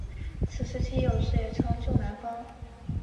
此时期有时也称旧南方。